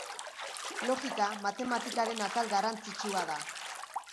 Logika, matematikaren atal garrantzitsua da.